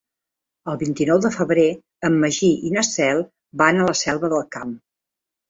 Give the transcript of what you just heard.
El vint-i-nou de febrer en Magí i na Cel van a la Selva del Camp.